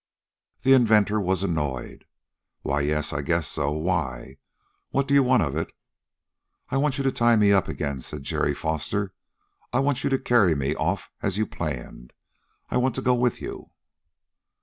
The inventor was annoyed. "Why, yes, I guess so. Why? What do you want of it?" "I want you to tie me up again," said Jerry Foster. "I want you to carry me off as you planned. I want to go with you."